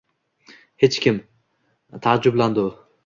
-Hech kimim, — taajjublandi u.